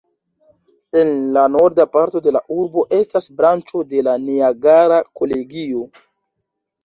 En la norda parto de la urbo estas branĉo de la Niagara Kolegio.